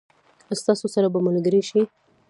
ستاسو سره به ملګري شي.